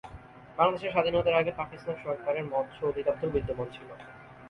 বাংলাদেশের স্বাধীনতার আগে পাকিস্তান সরকারের মৎস্য অধিদপ্তর বিদ্যমান ছিল।